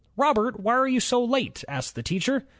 "Robert, why are you so late?" asked the teacher.